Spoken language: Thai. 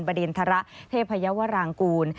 บ่อเดนธาระเทพญาวะรางกูล